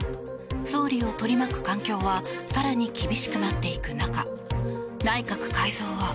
総理を取り巻く環境が更に厳しくなっていく中内閣改造は？